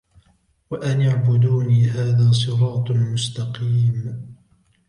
وَأَنِ اعْبُدُونِي هَذَا صِرَاطٌ مُسْتَقِيمٌ